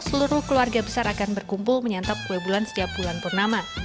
seluruh keluarga besar akan berkumpul menyantap kue bulan setiap bulan purnama